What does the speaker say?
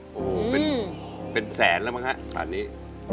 โอ้โหเป็นแสนแล้วมั้งฮะป่านนี้